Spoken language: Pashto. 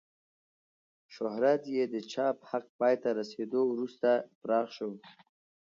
شهرت یې د چاپ حق پای ته رسېدو وروسته پراخ شو.